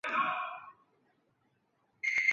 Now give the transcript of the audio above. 努尔哈赤的侄孙女。